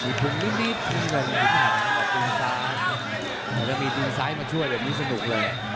มีปุ่มนิมิตปุ่มห่างปุ่มซ้ายแล้วก็มีปุ่มซ้ายมาช่วยแบบนี้สนุกเลย